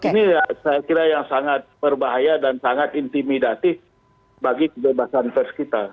ini saya kira yang sangat berbahaya dan sangat intimidatif bagi kebebasan pers kita